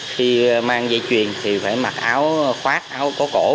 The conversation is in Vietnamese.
khi mang dây chuyền thì phải mặc áo khoác áo có cổ